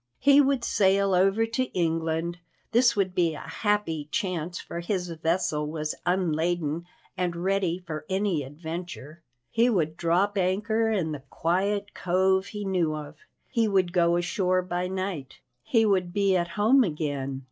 He would sail over to England; this would be a happy chance, for his vessel was unladen and ready for any adventure. He would drop anchor in the quiet cove he knew of; he would go ashore by night; he would be at home again.